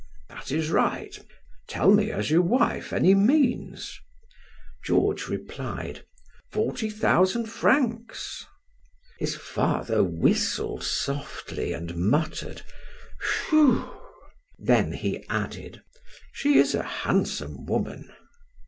"That is right. Tell me, has your wife any means?" Georges replied: "Forty thousand francs." His father whistled softly and muttered: "Whew!" Then he added: "She is a handsome woman."